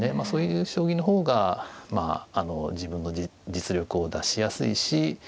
そういう将棋の方が自分の実力を出しやすいし。